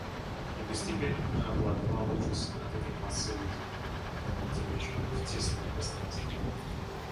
И постепенно мною овладевал ужас от этой массы людей, заключенных в тесное пространство.